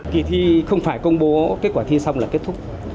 kỳ thi không phải công bố kết quả thi xong là kết thúc